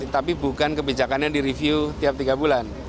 tapi bukan kebijakannya direview tiap tiga bulan